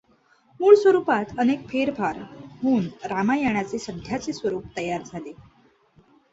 मूळ स्वरूपात अनेक फेरफार होऊन रामायणाचे सध्याचे स्वरूप तयार झाले.